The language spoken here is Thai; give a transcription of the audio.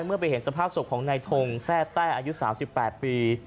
เมื่อไปเห็นสภาพศพของนายทงแท่อายุ๓๘ปี